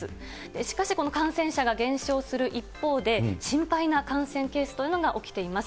しかしこの感染者が減少する一方で、心配な感染ケースというのが起きています。